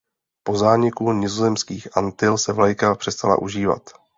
Po zániku Nizozemských Antil se vlajka přestala užívat.